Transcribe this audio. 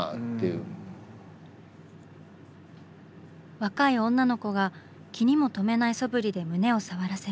若い女の子が気にも留めないそぶりで胸を触らせる。